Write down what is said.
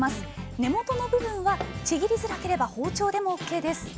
根元の部分はちぎりづらければ包丁でもＯＫです